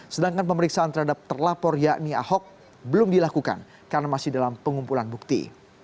sedangkan pemeriksaan terhadap terlapor yakni ahok belum dilakukan karena masih dalam pengumpulan bukti